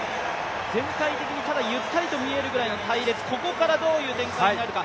全体的にゆったりと見えるぐらいの隊列、ここからどういう展開になるか。